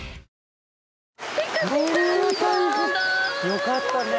よかったね。